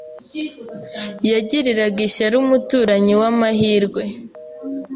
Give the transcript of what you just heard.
Yagiriraga ishyari umuturanyi we amahirwe.